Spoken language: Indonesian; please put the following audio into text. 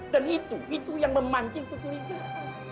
dan itu itu yang memancing kecurigaan